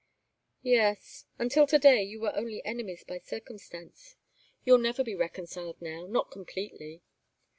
"Yes. Until to day you were only enemies by circumstance. You'll never be reconciled, now not completely.